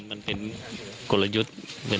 มันเป็นกลยุทธ์เป็นแพทย์